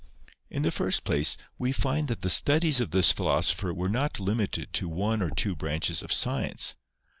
In the first place, we find that the studies of this philosopher were not limited to one or two branches of science.